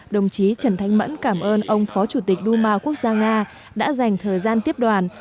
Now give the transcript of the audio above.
đồng chí trần thanh mẫn cảm ơn ông phó chủ tịch đu ma quốc gia nga đã dành thời gian tiếp đoàn